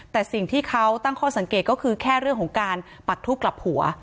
แต่สิ่งที่เขาตั้งข้อสังเกตก็คือแค่เรื่องของการปักทูบกลับหัว